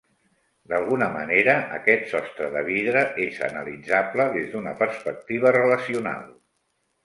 D'alguna manera aquest sostre de vidre és analitzable des d'una perspectiva relacional.